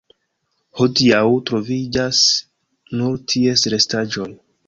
Hodiaŭ troviĝas nur ties restaĵoj.